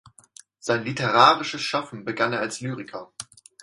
Sein literarisches Schaffen begann er als Lyriker.